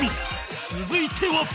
続いては